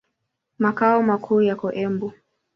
Makao makuu yako Embu.